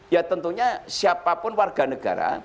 ya tentunya siapapun warga negara